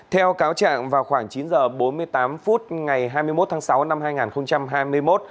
theo cáo trạng vào khoảng chín h bốn mươi tám phút ngày hai mươi một tháng sáu năm hai nghìn hai mươi một